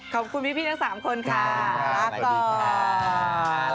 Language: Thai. ขอบคุณพี่ทั้ง๓คนค่ะขอบคุณครับสวัสดีครับ